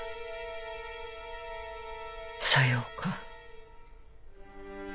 さようか。